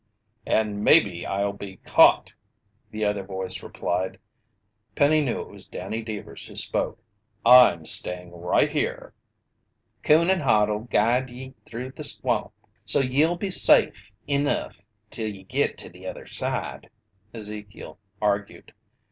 "And maybe I'll be caught!" the other voice replied. Penny knew it was Danny Deevers who spoke. "I'm staying right here!" "Coon and Hod'll guide ye through the swamp, so ye'll be safe enough till ye git to the other side," Ezekiel argued.